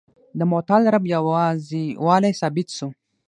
د متعال رب یوازي والی ثابت سو.